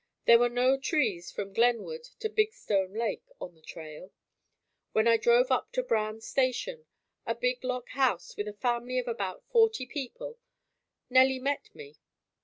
There were no trees from Glenwood to Big Stone Lake on the trail. When I drove up to Brown's station, a big log house with a family of about forty people, Nellie met me.